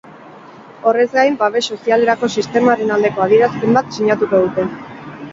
Horrez gain, babes sozialerako sistemaren aldeko adierazpen bat sinatuko dute.